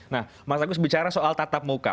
nah mas agus bicara soal tatap muka